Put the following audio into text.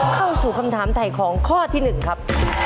เข้าสู่คำถามถ่ายของข้อที่๑ครับ